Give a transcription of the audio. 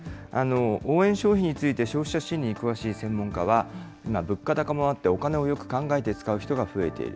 応援消費について消費者心理に詳しい専門家は、今、物価高もあってお金をよく考えて使う人が増えている。